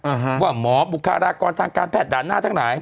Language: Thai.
อ่าฮะว่าหมอบุคลากรทางการแพทย์ด่านหน้าทั้งหลาย